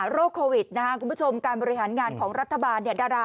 โควิดนะครับคุณผู้ชมการบริหารงานของรัฐบาลเนี่ย